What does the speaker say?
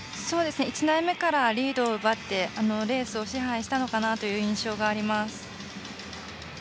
１台目からリードを奪ってレースを支配したのかなという印象があります。